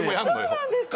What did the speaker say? そうなんですか？